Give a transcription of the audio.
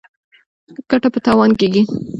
ګټه په تاوان کیږي.